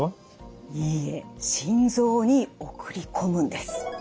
心臓に送り込むんです。